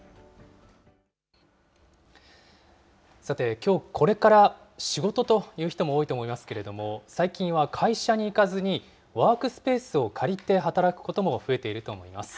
さて、きょうこれから仕事という人も多いと思いますけれども、最近は会社に行かずに、ワークスペースを借りて働くことも増えていると思います。